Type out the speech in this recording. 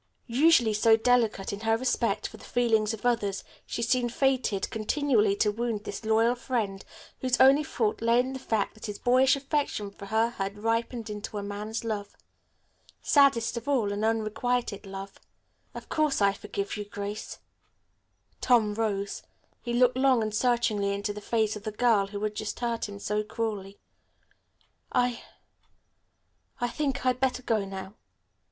Usually so delicate in her respect for the feelings of others, she seemed fated continually to wound this loyal friend, whose only fault lay in the fact that his boyish affection for her had ripened into a man's love. Saddest of all, an unrequited love. [Illustration: "Look at Me, Grace."] "Of course I forgive you, Grace." Tom rose. He looked long and searchingly into the face of the girl who had just hurt him so cruelly. "I I think I'd better go now.